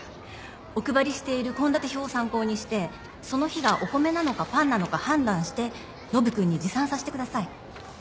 お配りしている献立表を参考にしてその日がお米なのかパンなのか判断してノブ君に持参させてください。